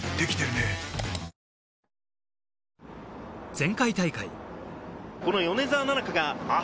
前回大会。